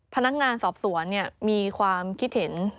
พนักงานสอบสวนมีความคิดเห็น